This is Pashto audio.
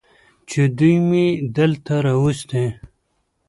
چې دوي مې دلته راوستي.